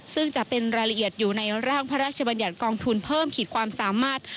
ซึ่งจะเป็นรายละเอียดอยู่ในร่างพระราชบัญญัติกองทุนเพิ่มขีดความสามารถ